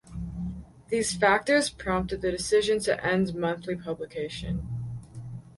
These factors prompted the decision to end monthly publication.